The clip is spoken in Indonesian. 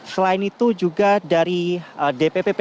selain itu juga dari dpp pdip